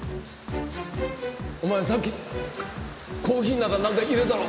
お前さっきコーヒーの中なんか入れたろ？